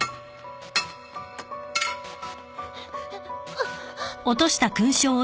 あっ。